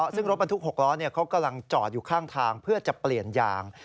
ซึ่งรถบรรทุก๖ล้อเขากำลังจอดอยู่ข้างทางเพื่อจะเปลี่ยนยาง